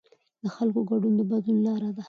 د خلکو ګډون د بدلون لاره ده